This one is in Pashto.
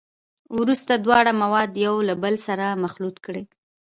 وروسته دواړه مواد یو له بل سره مخلوط کړئ.